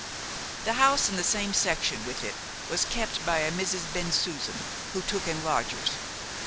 The house in the same section with it was kept by a Mrs. Bensusan, who took in lodgers.